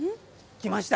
来ました。